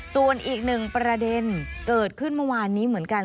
ส่วนอีกหนึ่งประเด็นเกิดขึ้นเมื่อวานนี้เหมือนกัน